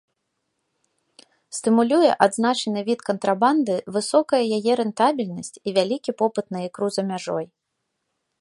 Стымулюе адзначаны від кантрабанды высокая яе рэнтабельнасць і вялікі попыт на ікру за мяжой.